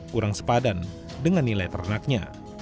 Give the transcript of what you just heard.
kurang sepadan dengan nilai ternaknya